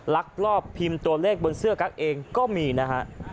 ลักลอบพิมพ์ตัวเลขบนเสื้อกั๊กเองก็มีนะฮะ